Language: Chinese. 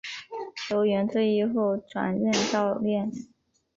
球员退役后转任教练。